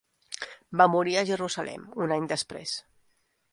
Va morir a Jerusalem un any després.